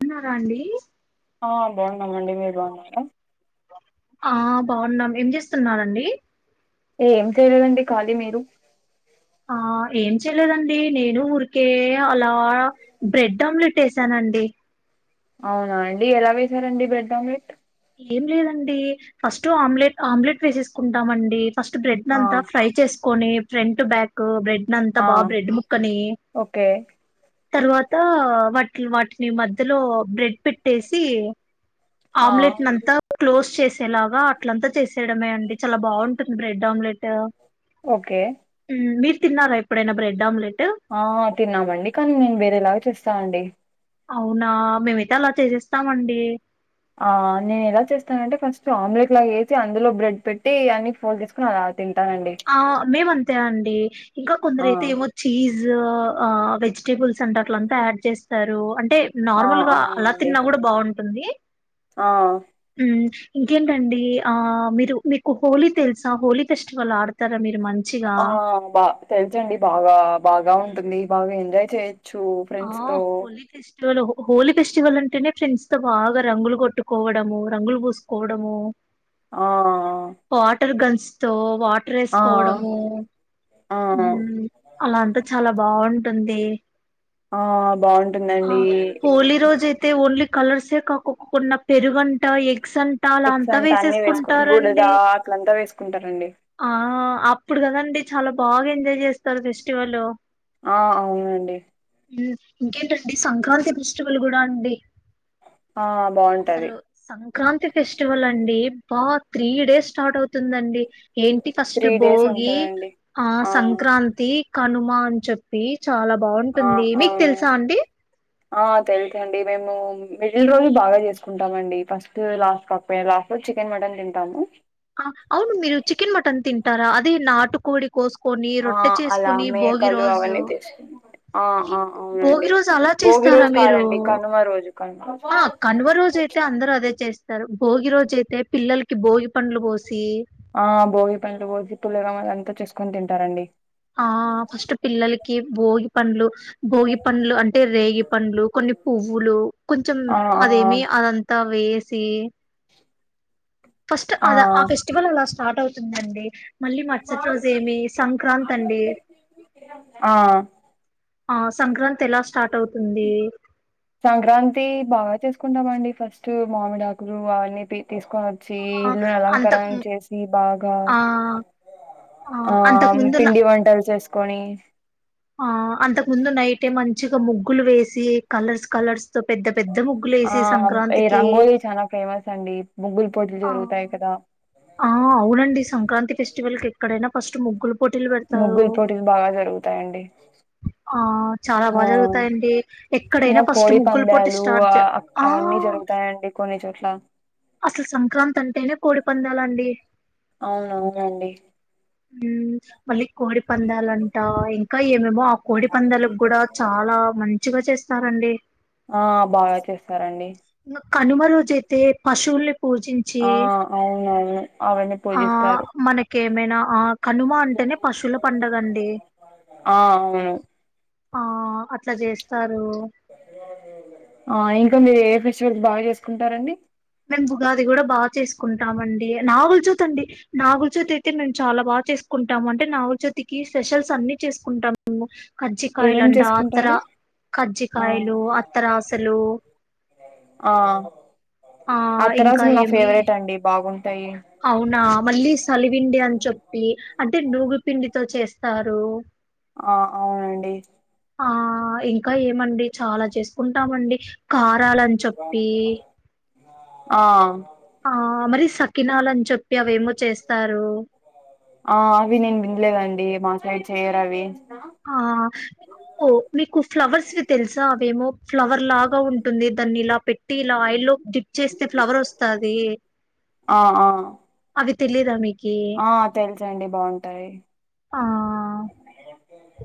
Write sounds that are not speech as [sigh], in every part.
ఉన్నారా అండి ఆ బాగున్నాము అండి మీరు బాగున్నారు ఆ బాగున్నాం ఏం చేస్తున్నరండి ఏం లేదండి ఖాళీ మీరు ఆ ఏం చేయలేదండి నేను ఊరికే అలా బ్రెడ్ ఆమ్లెట్ వేసానండి అవునా అండి ఎలా వెసారండి బ్రెడ్ ఆమ్లెట్ ఏం లేదండి ఫస్ట్ ఆమ్లెట్ ఆమ్లెట్ వేసేసుకుంటామండి ఫస్ట్ బ్రెడ్ ఆ నంత ఫ్రై చేస్త కొని ఫ్రంట్ బ్యాక్ బ్రెడ్ నంత ఆ బాగ బ్రెడ్ ముక్కని ఓకే తర్వాత వాటి వాటిని మధ్యలో బ్రెడ్ పెట్టేసి ఆ ఆమ్లేట్ అంతా క్లోజ్ చేసి ఎలాగా అట్లంతా చేసేయడమే అండి చాలా బాగుంటుంది బ్రెడ్ ఆమ్లెట్ ఓకే మ్, మీరు తిన్నారా ఎప్పుడైనా బ్రెడ్ ఆమ్లెట్ ఆ సాండి అవునా మేమైతే అలా చేసేస్తామండి ఆ నేను ఎలా చేస్తానంటే ఫస్ట్ ఆమ్లెట్ లాగా వేసి, అందులో బ్రెడ్ పెట్టి అన్ని ఫోల్ చేసి ని అలా తింటానండి ఆ మేము అంతే అండి ఇంకా కొందర ఆ అయితే ఏవో చీస్ జ్ వెజిటబుల్స్ అంతా అట్ల యాడ్ చేస్తారు అంటే ఆ నార్మల్ గా అలా అవునండి తిన్నా కూడా బాగుంటు టుంది ఆ ఇంకేంటండి ఆ మీరు మీకు హోలీ తెలుసా హోలీ ఫెస్టివల్ ఆడుత కరా మీరు మంచి ఆ బా తెలుసండి బాగా బాగా ఉ ఉంటుంది భాగ ఎంజయ చే చ్చు ఆ! ఫ్రెండ్స్ తో హోలీ ఫెస్టివల్ హోలీ ఫెస్టివల్ అంటేనే ఫ్రెండ్స్ తో బాగా రంగులు కొట్టుకోవడము రంగులు పూసుకోవడము ఆ వాటర్ గన్స్ న్సతో వా ఆ డ్రేసుకోవడము ఆ ఉ అలా అంతా చాలా బాగుంటుంది ఆ బాగుంటుందండి హోలీ రోజు అయితే ఓన్లీ కలర్సే కాక్కక్కకున్న పెరుగు వంట ఎగ్స్ అంట అలా ఎగ్స్ అంత అంట అన్ని వేసుకు బుడద వేసేసుకుంటారండి అట్లంతా వేసుకుంటారండి అప్పుడు కదండి చాల బాగా ఎంజాయ్ చేస్తారు ఫెస్టివల్ ఆ అవునండి ఇంకేంటండి సంక్రాంతి ఫెస్టివల్ కూడా అండి ఆ బాగుంటది అసలు సంక్రాంతి ఫెస్టివల్ అండి బా త్రీ డేస్ స్టార్ట్ అవుతుందండి ఏంటి ఫస్ట్ త్రీ డేస్ బోగి ఉంటదండి ఆ సంక్రాంతి కనుమ అని చెప్పి చాలా ఆ బాగుంటుంది మీకు అవును తెలుసా అండి ఆ తెలుసండి మేము మిడిల్ రోజు బాగా చేసుకుంటామండి ఫస్ట్ లాస్ట్ కాకపోయియా లాస్ట్ రోజు చికెన్ మటన్ తింటాము అవును మీరు చికెన్ మటన్ తిన్ టారా అదీ నాటు కోడి ఆ అలా మేకలు రోజు అవన్నీ తీసుకు ఆ ఆ ఏంటి భోగి అవునండి రోజు అలా భోగి చేస్తారా రోజు మీరు కాదండి కనుమ రోజు కనుమ ఆ కనువ రోజు అయితే అందరు అదే చేస్తారు స్తారు భోగి రోజు అయితే పిల్లలకి భోగి పండ్లు పోసి ఆ బోగి పండ్లు కోసి పిల్లలకు ఎంత చేసుకని తింటారండి ఆ ఫస్ట్ పిల్లలకి భోగి పండ్లు భోగి పండ్లు అంటే రేగి పండ్లు కొన్ని పువ్వులు కొంచెం ఆ ఆ అదేమి అదంతా వేసి [inaudible] ఫస్ట్ అద ఆ ఫెస్టివల్ అలాస్ట్ స్టార్ట్ అవుతుందండి మళ్ళీ మరూసాటి రోజు ఏమి సంక్రాంతి అండి ఆ ఆ సంక్రాంతి ఎలా స్టార్ట్ అవుతుంది సంక్రాంతి బాగా చేసుకుంటామండి ఫస్ట్ మామిడాకులు అవన్నీ తీసుకు వచ్చి ఆ ఇల్లుని అలంకర అంతకు చేసి బాగా ఆ ఆ అంతకు ముందున్న పిండి వంటలు చేసుకో కొని ఆ అంతకు ముందు నైట్ే మంచిగా ముగ్గులు వేసి కలర్స్ కలర్స్ తో పెద్ద పెద్ద ముగ్గులు ఆ వేసి ఈ సంక్రాంతికి రంగోలీ చాలా ఫేమస్ అండి ముగ్గుల్ పోటీలు ఆ జరుగుతాయి కదా ఆ అవునండి సంక్రాంతి ఫెస్టివల్ కి ఎక్కడైనా ఫస్ట్ ముగ్గులు పోటీలు పెడతారు ముగ్గుల పోటీలు బాగా జరుగుతాయండి ఆ చాలా ఆ బాగా జరుగుతాయండి ఎక్కడైనా ఇంకా ఫస్ట్ కోడి ముగ్గులు పోటీ పందలు స్టార్ట్ చే ఆ అవన్నీ జరుగుతాయండి కొన్ని చోట్లు అసలు సంక్రాంతి అంటేనే కోడి పందాలండి అవునవునండి. ఉ మళ్ళీ కోడి పందాలంటా ఇంకా మేము ఆ కోడి పందలకు కూడా చాలా మంచి ముచ్చుగా చేస్తారండి ఆ బాగా చేస్తారండి కనుమ రోజు తే పశువుల్ని పూజించి ఆ అవునవును అవన్నీ ఆ పూజిస్తారు. మనకేమైనా ఆ కనుమ అంటేనే పశువుల పండగ అండి ఆ అవును ఆ అట్లా చేస్తారు ఆ ఇంకా మీరు ఏ కి బాగా చేసుకుంటారండి ఉగాది కూడా బాగా చేసుకుంటామండి నాగులచోతి అండి నాగులచోతి అయితే మేము చాలా బాగా చేసుకుంటాము అంటే నాగులచోతికి స్పెషల్స్ అన్ని చేసుకుంటాము మేము ఏమేం కజ్జికాయలుంట అత్తర చేసుకుంటారు ఆ కజ్జికాయలు అత్తరాసలు ఆ ఇంకా అత్తరసలు నా ఏమి ఫేవరెట్ అండి బా అవును అవునా మళ్ళీ సలిపిండి అని చెప్పి అంటే నూగు పిండితో చేస్తారు ఆ అవునండి ఆ ఇంకా ఏమండి చాలా చేసుకుంటామండి కా రాలని చెప్పి ఆ ఆ మరి సకినాలని చెప్పి అవేమో చేస్తారు ఆ అవి నేను వినలేదండి మా సైడ్ చెయ్యరు అవి ఆ మీకు ఫ్లవర్స్వి తెలుసా అవేమో ఫ్లవర్ లాగా ఉంటుంది దాన్ని ఇలా పెట్ టిలాయిలు డిప్ చేస్తే ఫ్లవర్ వస్తాది ఆ ఆ అది తెలిదా మీకు ఆ తెలుసండి బాగుంటాయి ఆ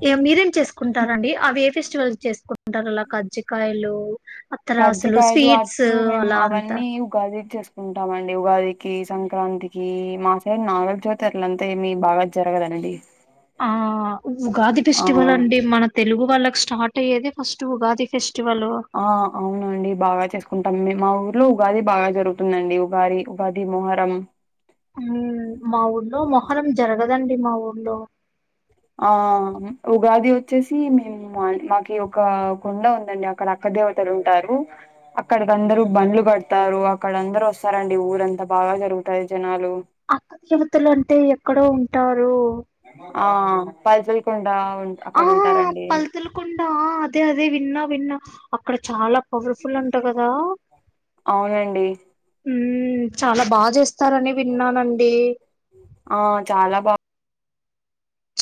ఏ మీరేం చేసుకుంటారండి అవి ఏ ఫెస్టివల్ చేసు ఉంటారు అలా కజ్జికయలు కర్జికయలు, అట్లు మేము అలా అంతా అవన్నీ ఉగాది చేసుము ఉంటామండి ఉగాదికి, సంక్రాంతికి, మా సైడ్ నాగల చవితి అంతా ఏమ బాగా జరగదండి. ఆ ఉగాది ఆ ఫెస్టివల్ అండి మన తెలుగు వాళ్ళకి స్టార్ట్ అంటే ఏద ఫస్ట్ ఉగాది ఫెస్ట్ ఆ అవునండి బాగా చేసుకు కుంటాం మా ఊర్లో ఉగాది బాగా జరుగుతుందండి ఉగాది. ఉగాది మొహరం అదండి మా ఊర్లో ఆ ఉగాది వచ్చేసి మేము మాకి ఒకకొండ ఉంది. అక్కడిక అక్క దేవతలు ఉంటారు. అందరూ బండ్లు కడతారు. అక్కడ అందరూ వస్తారండి ఊరంతా బాగా జరుగుతాయి జనాలు తరు అ [unintelligible] ఆ పైసలు కొ ఆ హ పలుతల కుండా అదే అదే విన్నా విన్నా అక్కడ చాలా పవర్ఫుల్ అంట కదా హు అవునండి ఉ చాలా బాగా చేస్త ఇస్తారని విన్నానండి. ఆ చాలా బాగా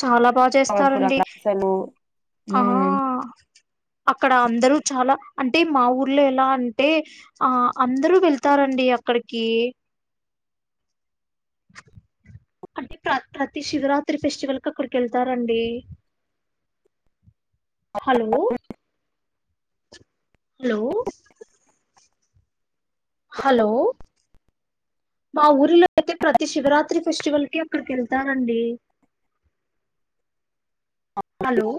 చాలా బాగా పవర్ఫుల్ చేస్తారండి అక్కడ అసలు ఆ హ్మ్. అక్కడ అందరూ చాలా అంటే మా ఊర్లో ఎలా అంటే ఆ అందరూ వెళ్తారండి అక్కడికి. అంటే ప్ర ప్రతి శివరాత్రి ఫెస్టివల్ క అక్కడికి వెళ్తారండి. హలో హలో హలో మా ఊరిలో అయితే ప్రతి శివరాత్రి ఫెస్టివల్కి అక్కడికి వెళ్తానండి. హలో